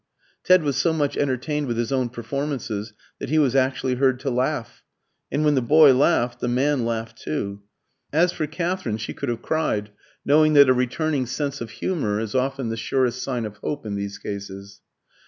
Ted was so much entertained with his own performances that he was actually heard to laugh. And when the boy laughed, the man laughed too. As for Katherine, she could have cried, knowing that a returning sense of humour is often the surest sign of hope in these cases.